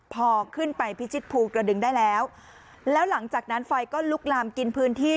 พอขึ้นไปพิชิตภูกระดึงได้แล้วแล้วหลังจากนั้นไฟก็ลุกลามกินพื้นที่